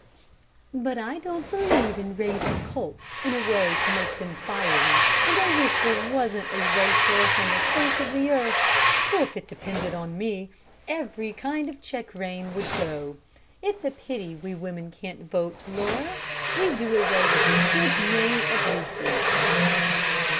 "But I don't believe in raising colts in a way to make them fiery, and I wish there wasn't a race horse on the face of the earth, so if it depended on me, every kind of check rein would go. It's a pity we women can't vote, Laura. We'd do away with a good many abuses."